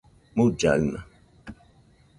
mullaɨna